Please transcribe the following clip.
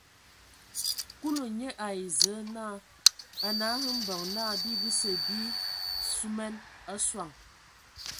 Kulu nye ai Zǝə naa: A nǝ hm mbeŋ naa bii bəse bii suman a soŋ.